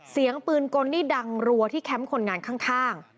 เสียงปืนกลนี่ดังรัวที่แคมป์คนงานข้าง